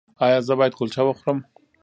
ایا زه باید کلچه وخورم؟